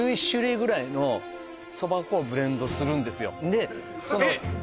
１１種類ぐらいの蕎麦粉をブレンドするんですよでえっ！？